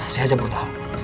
saya aja butuh tau